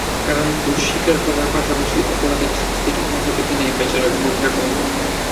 কারণ, দোষ স্বীকার করার পাশাপাশি অপরাধের শাস্তিটাও মাথা পেতে নেয় বেচারা ঘণ্টাকর্ণ।